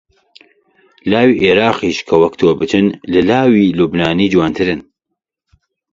لاوی عێراقیش کە وەک تۆ بچن، لە لاوی لوبنانی جوانترن